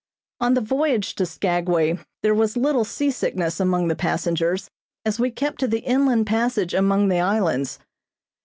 On the voyage to Skagway there was little seasickness among the passengers, as we kept to the inland passage among the islands.